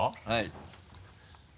はい。